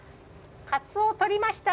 カツオ取りました。